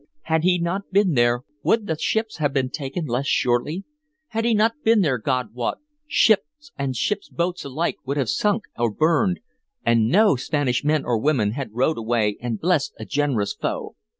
Had he not been there, would the ships have been taken less surely? Had he not been there, God wot, ships and ships' boats alike would have sunk or burned, and no Spanish men and women had rowed away and blessed a generous foe.